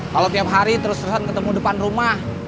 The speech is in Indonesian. kalau tiap hari terus terusan ketemu depan rumah